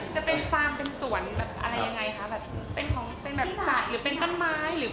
จะเป็นฟาร์มเป็นสวนอะไรยังไงครับ